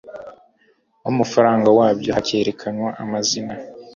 w amafaranga wabyo hakerekanwa amazina